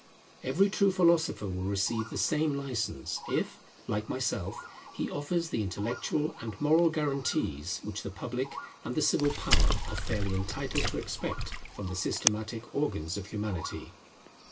Every true philosopher will receive the same licence, if, like myself, he offers the intellectual and moral guarantees which the public and the civil power are fairly entitled to expect from the systematic organs of Humanity.